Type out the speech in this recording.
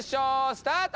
スタート！